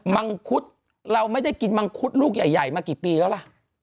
มังคุดเราไม่ได้กินมังคุดลูกใหญ่มากี่ปีแล้วล่ะ